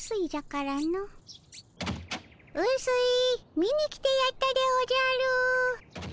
見に来てやったでおじゃる。